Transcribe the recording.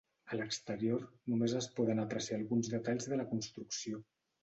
A l'exterior només es poden apreciar alguns detalls de la construcció.